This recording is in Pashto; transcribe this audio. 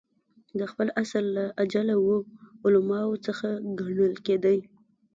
د خپل عصر له اجله وو علماوو څخه ګڼل کېدئ.